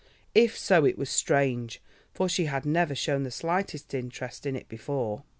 If so it was strange, for she had never shown the slightest interest in it before.